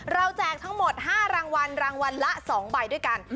แจกทั้งหมด๕รางวัลรางวัลละ๒ใบด้วยกัน